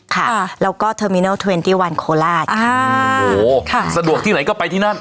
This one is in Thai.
ค่ะแล้วก็เทอร์มินัลเทรนตี้วันโคราชค่ะโอ้โหค่ะสะดวกที่ไหนก็ไปที่นั่น